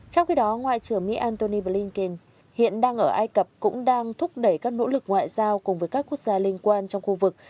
trong khi đó ngoại trưởng mỹ antony blinken hiện đang ở ai cập cũng đang thúc đẩy các nỗ lực ngoại giao cùng với các quốc gia liên quan trong khu vực